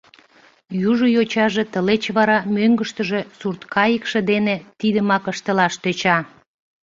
Южо йочаже тылеч вара мӧҥгыштыжӧ сурткайыкше дене тидымак ыштылаш тӧча.